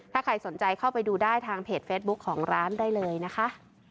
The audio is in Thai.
ถ้าใครสนใจเข้าไปดูได้ทางเพจเฟซบุ๊คของร้านได้เลยนะคะ